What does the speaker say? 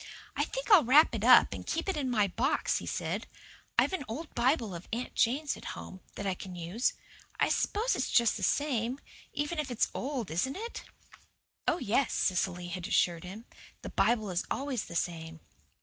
"I think I'll wrap it up and keep it in my box," he said. "I've an old Bible of Aunt Jane's at home that I can use. I s'pose it's just the same, even if it is old, isn't it?" "Oh, yes," Cecily had assured him. "The Bible is always the same."